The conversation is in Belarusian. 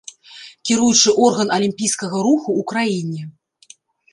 Кіруючы орган алімпійскага руху ў краіне.